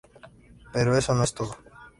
Pero eso no es todo.